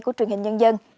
của truyền hình nhân dân